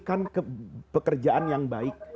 kan pekerjaan yang baik